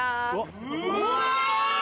うわ！